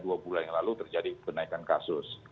dua bulan yang lalu terjadi kenaikan kasus